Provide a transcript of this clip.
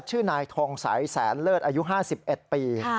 ชื่อนายทองสัยแสนเลิศอายุ๕๑ปี